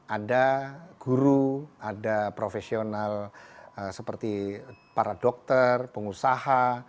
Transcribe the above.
ada guru ada profesional seperti para dokter pengusaha